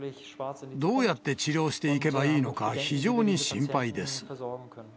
どうやって治療していけばいいのか、非常に心配です。